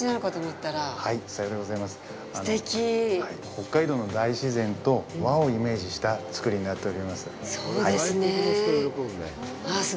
北海道の大自然と和をイメージした造りになっております。